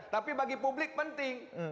tapi bagi publik penting